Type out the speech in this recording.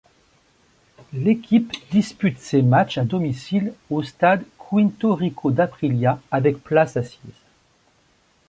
L'équipe dispute ses matches à domicile au stade Quinto Ricco d'Aprilia, avec places assises.